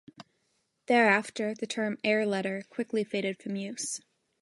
Thereafter, the term "air letter" quickly faded from use.